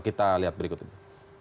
kita lihat berikutnya